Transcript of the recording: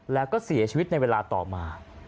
แล้วก็เสียชีวิตในเวลาต่อมา